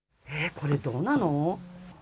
これ、どうなの？